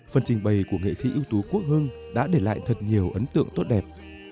phần trình bày của nghệ sĩ ưu tú quốc hưng đã để lại thật nhiều ấn tượng tốt đẹp